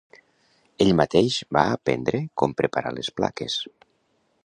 Ell mateix va aprendre com preparar les plaques.